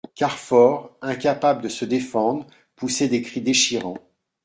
Carfor, incapable de se défendre, poussait des cris déchirants.